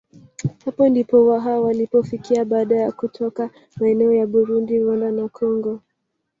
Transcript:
Hapo ndipo Waha walipofikia baada ya kutoka maeneo ya Burundi Rwanda na Kongo